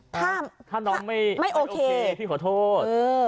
ถ้าน้องไม่โอเคพี่ขอโทษ